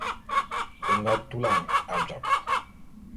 Be nga tulan ajap.